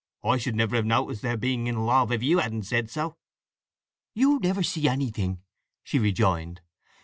I should never have noticed their being in love, if you hadn't said so." "You never see anything," she rejoined.